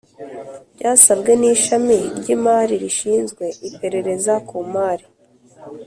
Byasabwe n’Ishami ry’Imari rishinzwe iperereza ku Mari